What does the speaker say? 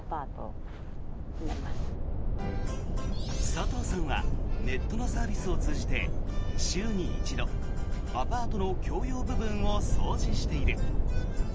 佐藤さんはネットのサービスを通じて週に一度、アパートの共用部分を掃除している。